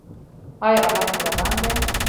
آیا الله مهربان دی؟